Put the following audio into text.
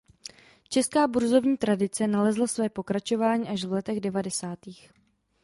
Česká burzovní tradice nalezla své pokračování až v letech devadesátých.